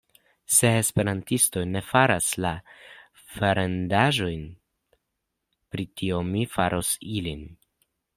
Se Esperantistoj ne faras la farendaĵojn pri tio, mi faros ilin.